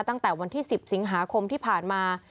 ตั้งแต่วันที่๑๐สิงหาคมที่ผ่านมา